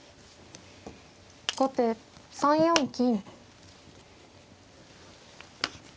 後手３四金。